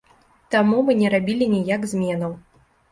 Таму мы не рабілі ніяк зменаў.